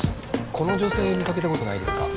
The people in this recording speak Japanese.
この女性見かけた事ないですか？